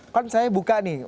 kan saya buka nih